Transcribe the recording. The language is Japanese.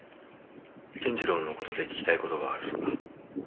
健次郎の事で聞きたい事があるそうだ。